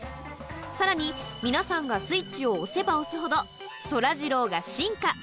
さらに、皆さんがスイッチを押せば押すほど、そらジローが進化。